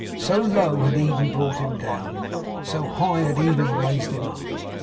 So low had Eden brought him down. So high had Eden raised him up.